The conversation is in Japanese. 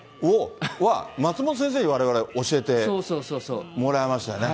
は、松本先生にわれわれ教えてもらいましたよね。